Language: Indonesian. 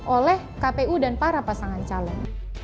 oleh kpu dan para pasangan calon